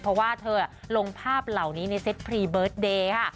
เพราะว่าเธอลงภาพเหล่านี้ในเซ็ตพรีเบิร์ตเดย์ค่ะ